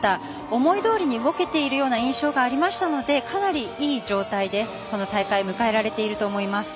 思いどおりに動けているような印象がありましたのでかなりいい状態でこの大会迎えられていると思います。